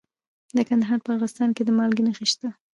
د کندهار په ارغستان کې د مالګې نښې شته.